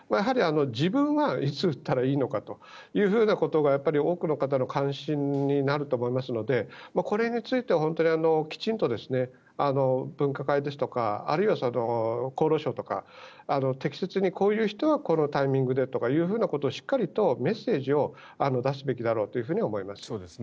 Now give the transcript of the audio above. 自分はいつ打ったらいいのかというふうなことが多くの方の関心になると思いますのでこれについてはきちんと分科会ですとかあるいは厚労省とか適切にこういう人はこのタイミングでとかいうふうなことをしっかりとメッセージを出すべきだろうと思います。